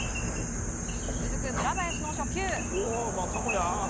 続く村林の初球。